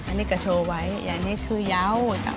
อันนี้ก็โชว์ไว้อันนี้คือเยาว์